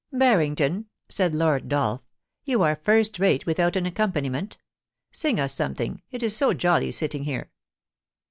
* Barrington,' said Lord Dolph, * you are first rate without an accompaniment Sing us something — it is so jolly sitting here.'